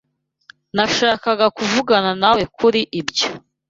Nashakaga kuvugana nawe kuri ibyo.